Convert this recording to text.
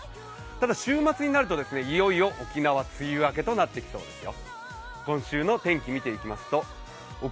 ただ、週末になると、いよいよ沖縄、梅雨明けとなっていきそうですよ。